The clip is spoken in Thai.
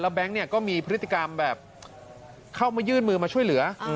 แก๊งก็มีพฤติกรรมแบบเข้ามายื่นมือมาช่วยเหลือ